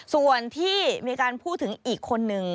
ส่วนที่มีการพูดถึงอีกคนนึง